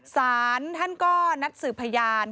สารท่านก็นัดสืบพยาน